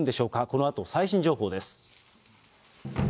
このあと最新情報です。